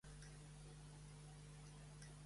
Lord Peterborough avança cap a València i a final.